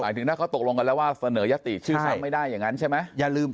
ถึงถ้าเขาตกลงกันแล้วว่าเสนอยติชื่อซ้ำไม่ได้อย่างนั้นใช่ไหม